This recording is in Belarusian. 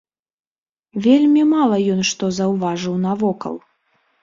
Вельмі мала ён што заўважыў навокал.